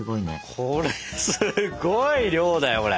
これすごい量だよこれ。